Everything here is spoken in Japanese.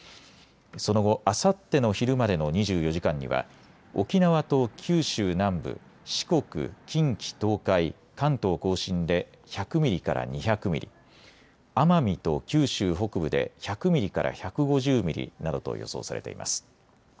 その後、あさっての昼までの２４時間には沖縄と九州南部、四国、近畿、東海、関東甲信で１００ミリから２００ミリ、奄美と九州北部で１００ミリから１５０ミリなどと予想されています。